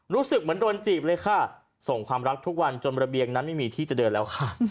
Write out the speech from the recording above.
รู้สึกเหมือนโดนจีบเลยค่ะส่งความรักทุกวันจนระเบียงนั้นไม่มีที่จะเดินแล้วค่ะ